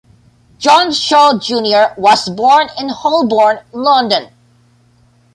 John Shaw Junior was born in Holborn, London.